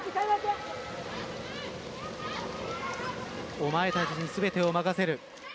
お前たちに全てを任せる。